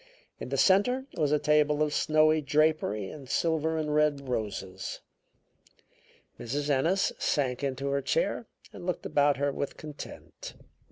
In the center was a table of snowy drapery and silver and red roses. Mrs. Ennis sank into her chair and looked about her with content.